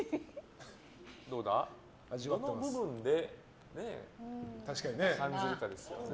どの部分で感じるかですね。